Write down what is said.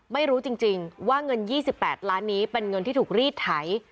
ไม่รู้จริงว่าเงิน๒๘ล้านนี้เป็นเงินที่ถูกรีดไถ